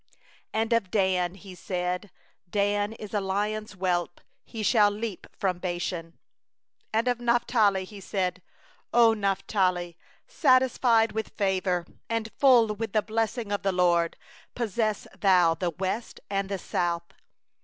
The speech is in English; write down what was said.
22And of Dan he said: Dan is a lion's whelp, That leapeth forth from Bashan. 23And of Naphtali he said: O Naphtali, satisfied with favour, And full with the blessing of the LORD: Possess thou the sea and the south.